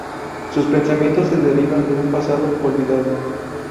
Sus pensamientos se derivan de un pasado olvidado.